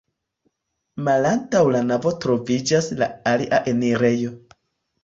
Malantaŭ la navo troviĝas la alia enirejo.